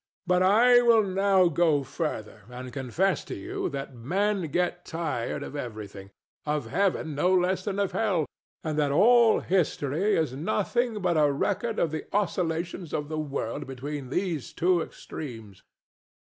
But I will now go further, and confess to you that men get tired of everything, of heaven no less than of hell; and that all history is nothing but a record of the oscillations of the world between these two extremes.